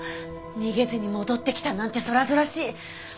逃げずに戻ってきたなんて空々しい。